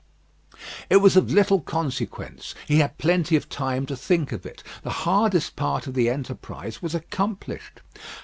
It was of little consequence. He had plenty of time to think of it. The hardest part of the enterprise was accomplished.